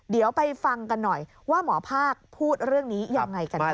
เดี๋ยวไปฟังกันหน่อยว่าหมอภาคพูดเรื่องนี้ยังไงกันค่ะ